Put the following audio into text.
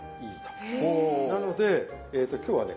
なので今日はね